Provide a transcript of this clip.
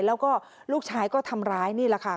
แล้วก็ลูกชายก็ทำร้ายนี่แหละค่ะ